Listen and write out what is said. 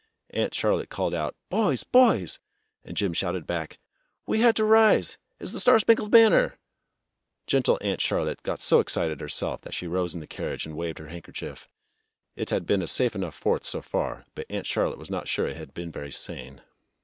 Aunt Charlotte called out, "Boys, boys!" And Jim shouted back, "We had to rise! It's ' The Star Spangled Banner '!" Gentle Aunt Charlotte got so excited herself that she rose in the carriage and waved her handkerchief. It had been a safe enough Fourth so far, but Aunt Charlotte was not sure it had been very sane.